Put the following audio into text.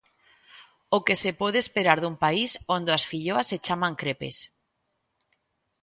O que se pode esperar dun país onde as filloas se chaman crepes?